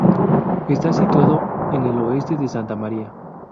Está situado en el oeste de Santa Maria.